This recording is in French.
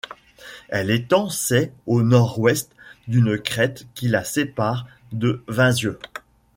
Elle étend ses au nord-ouest d'une crête qui la sépare de Vinzieux.